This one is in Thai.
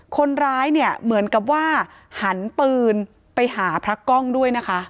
คนร้ายเนี่ยเหมือนกับว่าหันปืนไปหาพระกล้องด้วยนะคะ